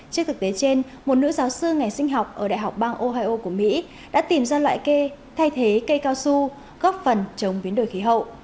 trước thực tế trên một nữ giáo sư nghề sinh học ở đại học bang ohio của mỹ đã tìm ra loại cây thay thế cây cao su góp phần chống biến đổi khí hậu